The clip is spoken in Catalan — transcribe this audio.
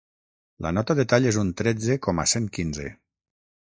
La nota de tall és un tretze coma cent quinze.